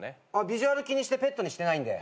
ビジュアル気にしてペットにしてないんで。